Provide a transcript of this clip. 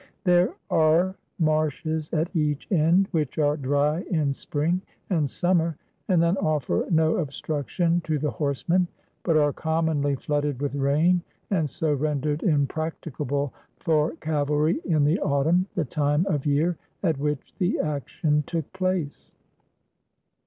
There are marshes at each end, which are dry in spring and summer and then offer no obstruction to the horse man, but are commonly flooded with rain and so ren dered impracticable for cavalry in the autumn, the time of year at which the action took place.